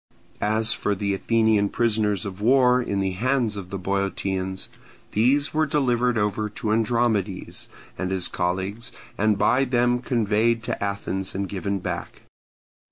As for the Athenian prisoners of war in the hands of the Boeotians, these were delivered over to Andromedes and his colleagues, and by them conveyed to Athens and given back.